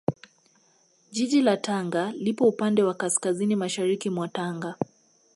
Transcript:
Jiji la Tanga lipo upande wa Kaskazini Mashariki mwa Tanga